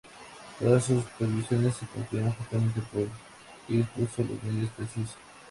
Todas sus previsiones se cumplieron, justamente porque dispuso los medios precisos.